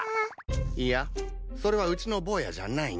いやそれはうちのボーヤじゃないね。